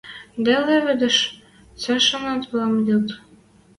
Дӓ леведеш цӓшӓнетвлӓм йыд...